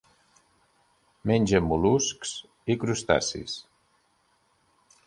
Menja mol·luscs i crustacis.